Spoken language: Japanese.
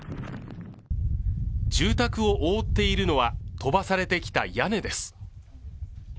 住宅を覆っているのは飛ばされてきた屋根です。